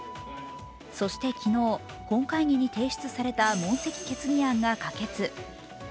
そして昨日、本会議に提出された問責決議案が可決。